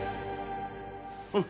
うん